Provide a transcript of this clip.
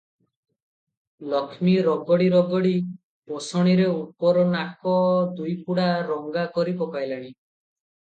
ଲକ୍ଷ୍ମୀ ରଗଡ଼ି ରଗଡ଼ି ବସଣୀରେ ଉପର ନାକ ଦୁଇପୁଡ଼ା ରଙ୍ଗା କରି ପକାଇଲାଣି ।